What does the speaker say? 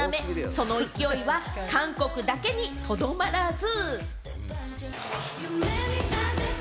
その勢いは韓国だけにとどまらず。